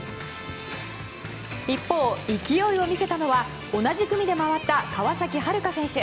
一方、勢いを見せたのは同じ組で回った川崎春花選手。